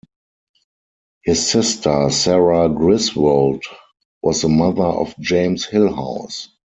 His sister Sarah Griswold was the mother of James Hillhouse.